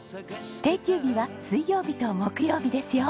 定休日は水曜日と木曜日ですよ。